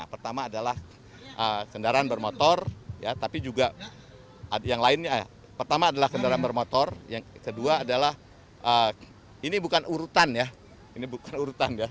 pertama adalah kendaraan bermotor yang kedua adalah ini bukan urutan ya